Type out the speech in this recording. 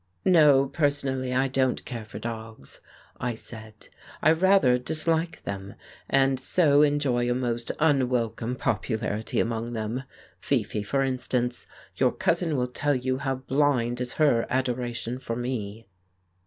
"No; personally I don't care about dogs," I said. "I rather dislike them, and so enjoy a most unwel come popularity among them. Fifi, for instance : your cousin will tell you how blind is her adoration for me